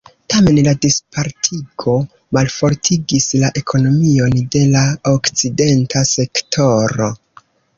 Tamen la dispartigo malfortigis la ekonomion de la okcidenta sektoro.